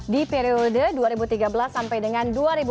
di periode dua ribu tiga belas sampai dengan dua ribu dua puluh